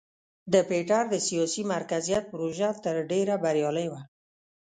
د پیټر د سیاسي مرکزیت پروژه تر ډېره بریالۍ وه.